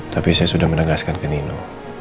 tapi saya sudah menegaskan ke nino